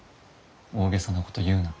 大げさなこと言うな。